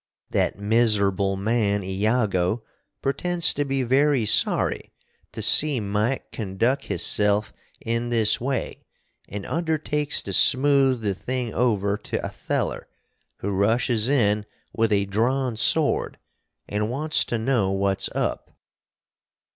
That miserble man, Iago, pretends to be very sorry to see Mike conduck hisself in this way & undertakes to smooth the thing over to Otheller, who rushes in with a drawn sword & wants to know what's up.